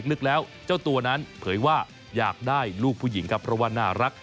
นึกแล้วเจ้าตัวนั้นเผยว่าอยากได้ลูกผู้หญิงครับเพราะว่าน่ารัก